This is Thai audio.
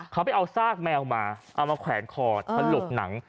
เขาไปเอาซากแมวมาเอามาแขวนคอถลกหนัง